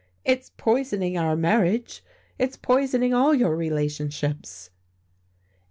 It's poisoning our marriage, it's poisoning all your relationships."